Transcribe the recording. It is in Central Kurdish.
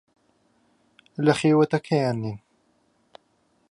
لە خێوەتەکەیان نین.